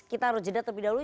kita harus jeda terlebih dahulu